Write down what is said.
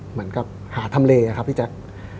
เหมือนกับหาทำเลอครับพี่แจ๊ค